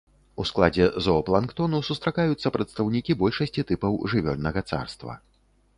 У складзе зоапланктону сустракаюцца прадстаўнікі большасці тыпаў жывёльнага царства.